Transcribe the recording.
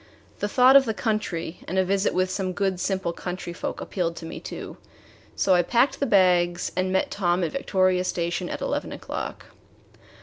The thought of the country and a visit with some good simple country folk appealed to me too, so I packed the bags and met Tom at Victoria Station at eleven o'clock.